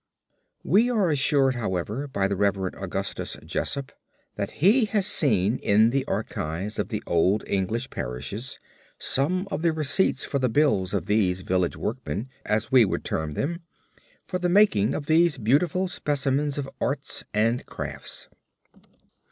We are assured, however, by the Rev. Augustus Jessopp, that he has seen in the archives of the old English parishes, some of the receipts for the bills of these village workmen as we would term them, for the making of these beautiful specimens of arts and crafts.